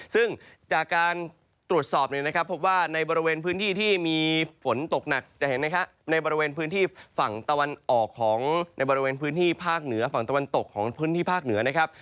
ซึ่งจากการตรวจสอบเนี่ยนะครับพบว่าในบริเวณพื้นที่ที่มีฝนตกหนักจะเห็นนะครับในบริเวณพื้นที่ฝั่งตะวันออกของในบริเวณพื้นที่ภาคเหนือฝั่งตะวันตกของพื้นที่ภาคเหนือนะครับ